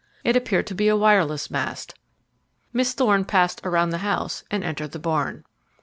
It appeared to be a wireless mast. Miss Thorne passed around the house, and entered the barn.